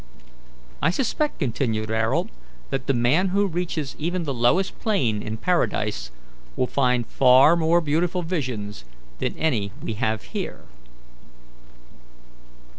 "I suspect," continued Ayrault, "that the man who reaches even the lowest plane in paradise will find far more beautiful visions than any we have here."